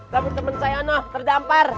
tapi temen saya ano terdampar